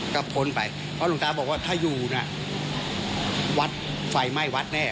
ก็พ้นไปเพราะหลวงตาบอกว่าถ้าอยู่น่ะวัดไฟไหม้วัดแน่